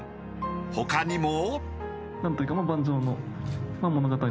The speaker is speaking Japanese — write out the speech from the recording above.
他にも。